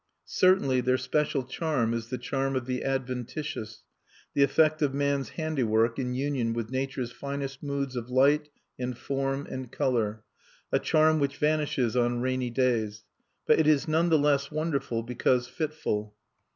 Certainly, their special charm is the charm of the adventitious, the effect of man's handiwork in union with Nature's finest moods of light and form and color, a charm which vanishes on rainy days; but it is none the less wonderful because fitful.